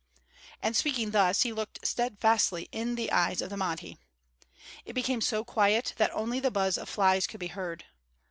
And speaking thus he looked steadfastly in the eyes of the Mahdi. It became so quiet that only the buzz of flies could be heard.